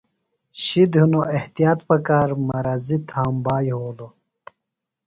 شِد ہِنوۡ احتیاط پکار، مرضی تھامبا یھولوۡ